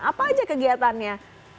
apa aja kegiatannya